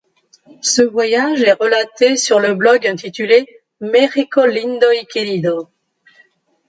Ce voyage est relaté sur le blog intitulé Mexico Lindo y Querido.